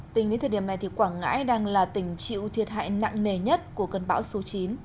tính đến thời điểm này quảng ngãi đang là tỉnh chịu thiệt hại nặng nề nhất của cơn bão số chín